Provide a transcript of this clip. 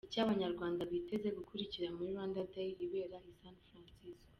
Icyo Abanyarwanda biteze kungukira muri Rwanda Day ibera i San Francisco.